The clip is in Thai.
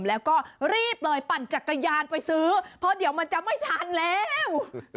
แล้วก็รีบเลยปั่นจักรยานไปซื้อเพราะเดี๋ยวมันจะไม่ทันแล้ว